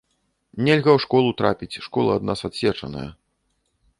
Нельга ў школу трапіць, школа ад нас адсечаная.